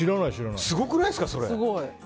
すごくないですか、それ。